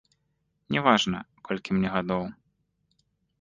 Не важна, колькі мне гадоў.